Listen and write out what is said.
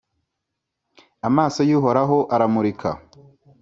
amaso y’Uhoraho aramurika